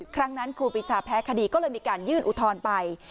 ครั้งนั้นครูปีชาแพ้คดีก็เลยมีการยื่นอุทธรณ์ไป